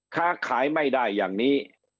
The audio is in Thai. ค้าขายไม่ได้อย่างนี้